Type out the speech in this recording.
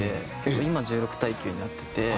今１６対９になってて。